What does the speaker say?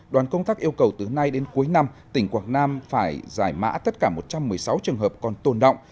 đoàn công tác yêu cầu từ nay đến cuối năm tỉnh quảng nam phải giải mã tất cả một trăm một mươi sáu trường hợp còn tồn động